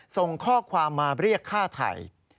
ส่งข้อความมาเรียกฆ่าไทย